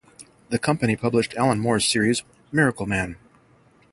The company published Alan Moore's series "Miracleman".